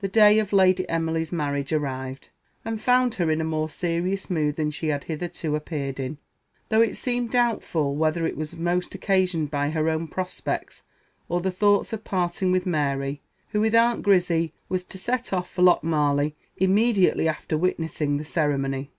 The day of Lady Emily's marriage arrived, and found her in a more serious mood than she had hitherto appeared in; though it seemed doubtful whether it was most occasioned by her own prospects or the thoughts of parting with Mary, who with Aunt Grizzy, was to set off for Lochmarlie immediately after witnessing the ceremony.